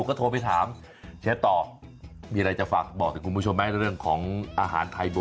ข้างบัวแห่งสันยินดีต้อนรับทุกท่านนะครับ